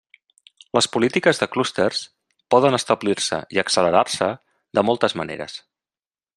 Les polítiques de clústers poden establir-se i accelerar-se de moltes maneres.